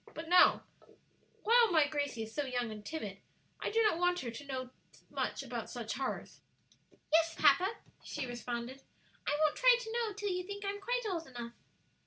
But now, while my Gracie is so young and timid, I do not want her to know too much about such horrors." "Yes, papa," she responded; "I won't try to know till you think I'm quite old enough."